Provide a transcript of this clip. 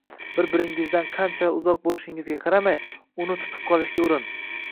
bir-biringizdan qanchalar uzoq bo‘lishingizga qaramay, uni tutib qolishga urin.